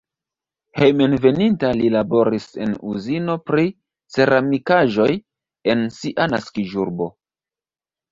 Hejmenveninta li laboris en uzino pri ceramikaĵoj en sia naskiĝurbo.